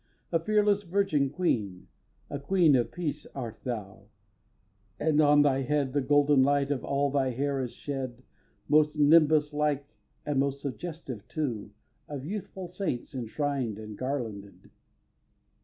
A fearless virgin queen, A queen of peace art thou, and on thy head The golden light of all thy hair is shed Most nimbus like and most suggestive, too, Of youthful saints enshrined and garlanded.